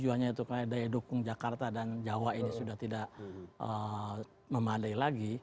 sebenarnya salah satu tujuannya itu daya dukung jakarta dan jawa ini sudah tidak memadai lagi